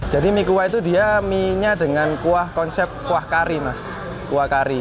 jadi mi kwar itu dia mie nya dengan konsep kuah kari